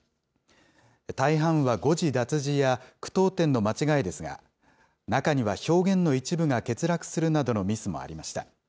大半は誤字脱字や句読点の間違いですが、中には表現の一部が欠落するなどのミスもありました。